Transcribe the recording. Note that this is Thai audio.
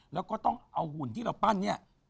แล้วก็ต้องเอาหุ่นที่เราปั้นเนี่ย